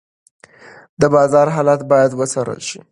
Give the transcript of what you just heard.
د بازار حالت باید وڅارل شي.